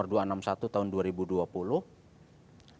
keputusan jaksa agung nomor dua ratus enam puluh satu tahun dua ribu dua puluh